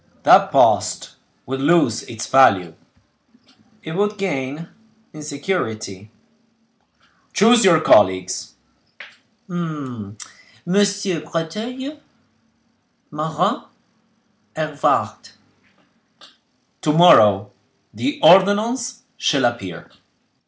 "That post would lose its value." "It would gain in security." "Choose your colleagues." "Messieurs Breteuil, Marin, Hervart." "To morrow the ordonnance shall appear."